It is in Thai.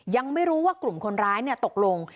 ยังไม่รู้ว่ากลุ่มคนร้ายตกลง